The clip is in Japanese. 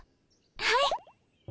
はい！